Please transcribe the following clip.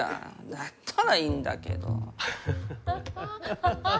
だったらいいんだけど。ハハハハ。